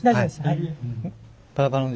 はい。